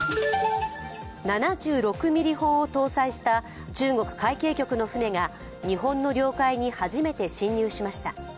７６ミリ砲を搭載した中国海警局の船が日本の領海に初めて侵入しました。